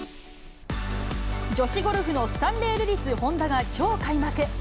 女子ゴルフのスタンレーレディスホンダがきょう開幕。